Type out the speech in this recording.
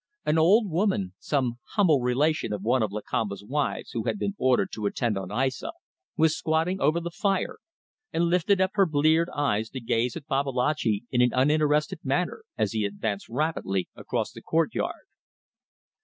An old woman some humble relation of one of Lakamba's wives, who had been ordered to attend on Aissa was squatting over the fire and lifted up her bleared eyes to gaze at Babalatchi in an uninterested manner, as he advanced rapidly across the courtyard.